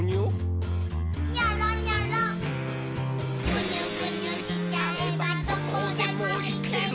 「ぐにゅぐにゅしちゃえばどこでも行ける」